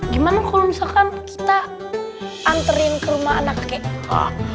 gimana kalo misalkan kita anterin ke rumah anak kakek